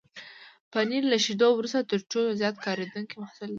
پنېر له شيدو وروسته تر ټولو زیات کارېدونکی محصول دی.